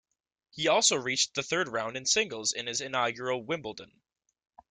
He also reached the third round in singles in his inaugural Wimbledon.